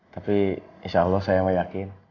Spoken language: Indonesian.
tapi insya allah saya meyakin